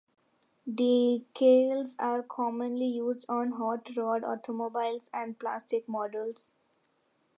Decals are commonly used on hot rod automobiles and plastic models.